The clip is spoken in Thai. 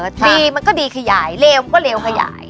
ดีมันก็ดีขยายเลวมันก็เลวขยาย